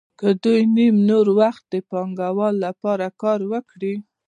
که دوی نیم نور وخت د پانګوال لپاره کار وکړي